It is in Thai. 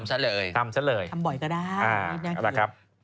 ทำเสรอเลยทำเสรอเลยทำบ่อยก็ได้อ่าวครับละครับ